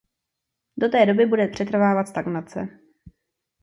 Do té doby bude přetrvávat stagnace.